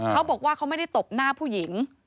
เขาบอกว่าเขาไม่ได้ตบหน้าผู้หญิง